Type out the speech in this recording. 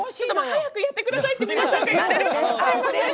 早くやってくださいって皆さんが言ってる！